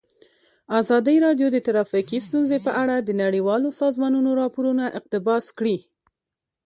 ازادي راډیو د ټرافیکي ستونزې په اړه د نړیوالو سازمانونو راپورونه اقتباس کړي.